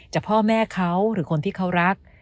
พ่อแม่เขาหรือคนที่เขารัก